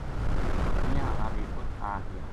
بکریاں ہالا بے اُت آگیا۔